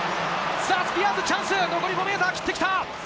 スピアーズチャンス、残り５ｍを切ってきた！